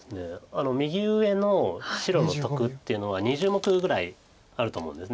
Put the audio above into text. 右上の白の得っていうのは２０目ぐらいあると思うんです。